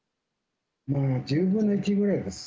１０分の１くらいです。